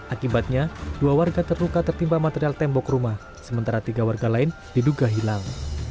akibatnya dua warga terluka tertimpa material tembok rumah sementara tiga warga lain diduga hilang